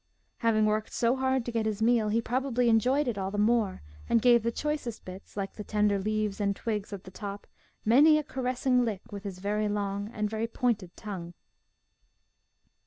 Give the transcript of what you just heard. Having worked so hard to get his meal, he probably enjoyed it all the more and gave the choicest bits, like the tender leaves and twigs at the top, many a caressing lick with his very long and very pointed tongue.